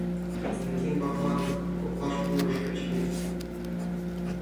— Константин Бахманов, — коклаш пурыш Качырий.